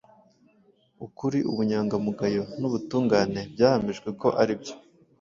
Ukuri, ubunyangamugayo n’ubutungane byahamijwe ko ari byo